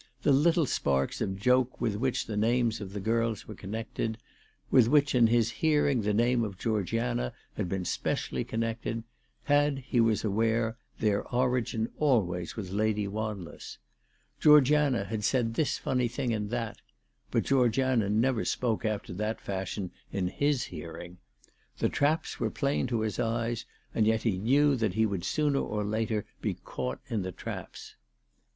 The little sparks of joke with which the names of the girls were connected, with which in his hearing the name of Georgiana had been specially connected, had, he was aware, their origin always with Lady "Wanless. Georgiana had said this funny thing and that, but Georgiana never spoke after that fashion in his hearing. The traps were plain to his eyes, and yet he knew that he would sooner or later be caught in the traps.